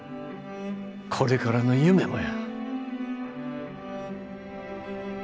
これからの夢もや。